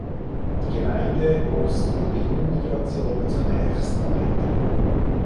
Die Gemeinde wuchs durch Binnenmigration zunächst weiter.